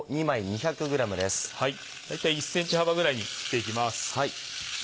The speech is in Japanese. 大体１ｃｍ幅ぐらいに切っていきます。